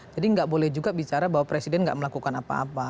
jadi nggak boleh juga bicara bahwa presiden nggak melakukan apa apa